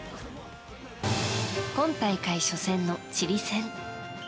今大会初戦のチリ戦。